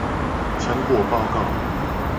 成果報告